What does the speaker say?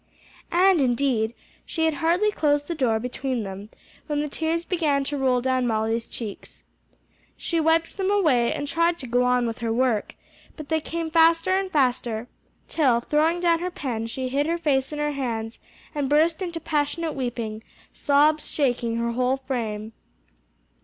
And indeed she had hardly closed the door between them when the tears began to roll down Molly's cheeks. She wiped them away and tried to go on with her work; but they came faster and faster, till throwing down her pen she hid her face in her hands, and burst into passionate weeping, sobs shaking her whole frame.